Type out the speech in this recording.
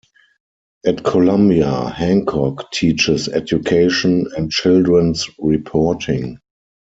At Columbia, Hancock teaches education and children's reporting.